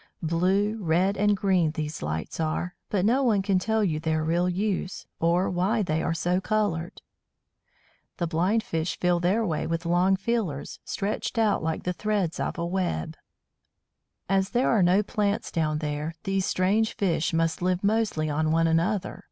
Blue, red, and green these lights are, but no one can tell you their real use, or why they are so coloured. The blind fish feel their way with long feelers, stretched out like the threads of a web. [Illustration: THE FISHING FROG.] As there are no plants down there, these strange fish must live mostly on one another!